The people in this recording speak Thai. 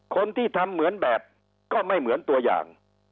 คนที่ทำเหมือนแบบก็ไม่เหมือนตัวอย่าง